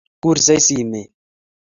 kursei simet